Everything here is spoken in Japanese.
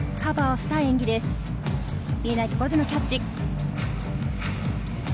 見えないところでのキャッチ。